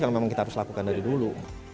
yang memang kita harus lakukan dari dulu